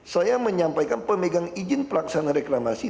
saya menyampaikan pemegang izin pelaksana reklamasi